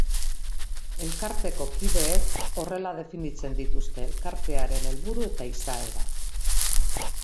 Elkarteko kideek horrela definitzen dituzte elkartearen helburu eta izaera.